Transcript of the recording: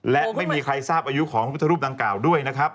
และไม่มีใครทราบอายุของพุทธรูปดังกล่าวด้วยนะครับ